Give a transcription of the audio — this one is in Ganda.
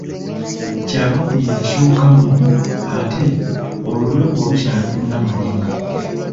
Kyabaggu ye yasowokamu ate olulyo olukyali ku Nnamulondo.